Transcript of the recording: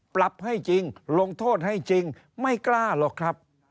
ปรับให้จริงลงโทษให้จริงไม่กล้าหรอกครับ